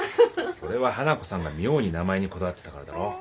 それは花子さんが妙に名前にこだわってたからだろ。